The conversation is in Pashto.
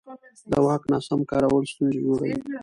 د واک ناسم کارول ستونزې جوړوي